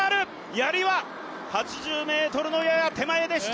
やりは、８０ｍのやや手前でした。